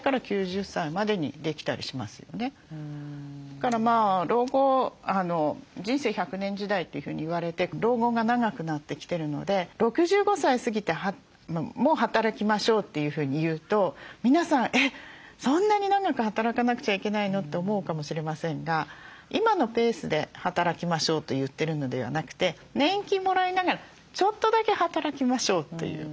だから老後人生１００年時代というふうに言われて老後が長くなってきてるので６５歳過ぎても働きましょうというふうに言うと皆さん「えっそんなに長く働かなくちゃいけないの？」って思うかもしれませんが今のペースで働きましょうと言ってるのではなくて年金もらいながらちょっとだけ働きましょうという。